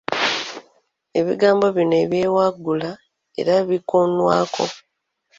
Ebigambo bino ebyewaggula era bikoonwako.